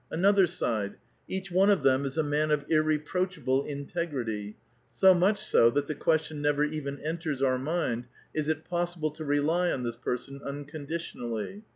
Another side : each one of them is a man of iiTeproachable integrity, so much so that the question never even enters our mind, '* Is it possible to rely on this person unconditionally?"